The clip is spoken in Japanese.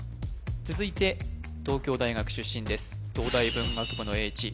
続いて東京大学出身です